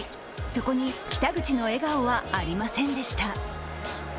そこに北口の笑顔はありませんでした。